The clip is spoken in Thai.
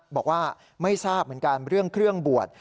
บอกว่าไม่ทราบเหมือนกันเรื่องเครื่องบวช